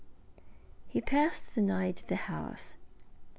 He passed the night at the house.